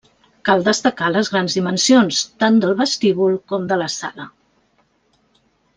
Cal destacar les grans dimensions, tant del vestíbul com de la sala.